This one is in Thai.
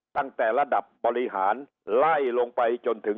ตั้งแต่ระดับบริหารไล่ลงไปจนถึง